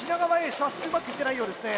射出うまくいってないようですね。